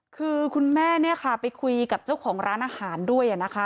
คือคุณแม่เนี่ยค่ะไปคุยกับเจ้าของร้านอาหารด้วยนะคะ